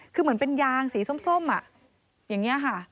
คือเหมือนเป็นยางสีส้มอย่างนี้ค่ะ